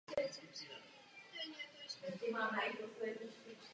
Tyčinek je stejný počet jako okvětních plátků a jsou volné.